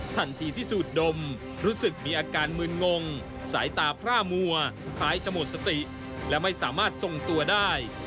ทันทีที่สูดดมรู้สึกมีอาการมืนงงสายตาพร่ามัวคล้ายจะหมดสติและไม่สามารถทรงตัวได้